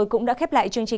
quần đảo trường sa